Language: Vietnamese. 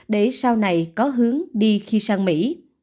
để sau này có hướng đi khi sang mỹ